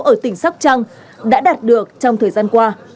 ở tỉnh sóc trăng đã đạt được trong thời gian qua